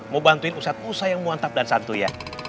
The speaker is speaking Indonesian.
mau bantuin ustadz musa yang mantap dan santuyah